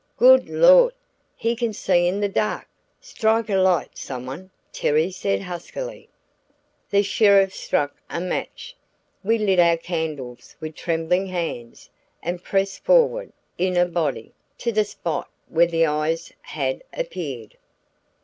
"Good Lord, he can see in the dark! Strike a light, some one," Terry said huskily. The sheriff struck a match. We lit our candles with trembling hands and pressed forward (in a body) to the spot where the eyes had appeared.